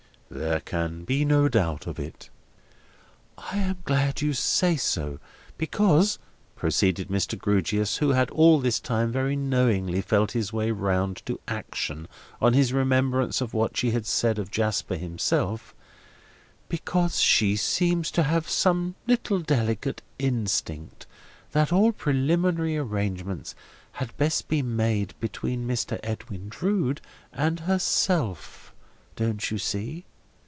"There can be no doubt of it." "I am glad you say so. Because," proceeded Mr. Grewgious, who had all this time very knowingly felt his way round to action on his remembrance of what she had said of Jasper himself: "because she seems to have some little delicate instinct that all preliminary arrangements had best be made between Mr. Edwin Drood and herself, don't you see?